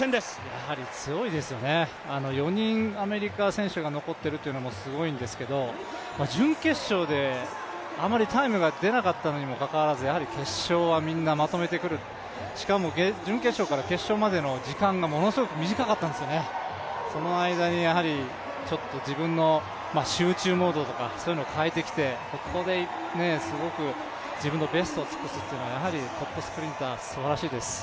やはり強いですよね、４人アメリカ人選手が残っているということもすごいんですけれども、準決勝であまりタイムが出なかったのにもかかわらずやはり決勝はみんなまとめてくる、しかも、準決勝から決勝までの時間が、ものすごく短かったんですよね、その間にちょっと自分の集中モードとかを変えてきてここですごく自分のベストを尽くすというのはやはりトップスプリンター、すばらしいです。